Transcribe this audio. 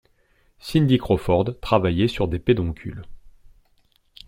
Cindy Crawford travaillait sur des pédoncules.